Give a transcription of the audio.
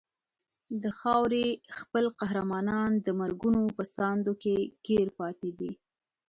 د خاورې خپل قهرمانان د مرګونو په ساندو کې ګیر پاتې دي.